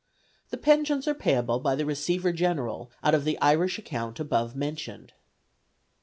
The pensions are payable by the Receiver General out of the Irish account above mentioned.